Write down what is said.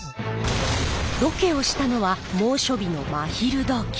ロケをしたのは猛暑日の真昼どき。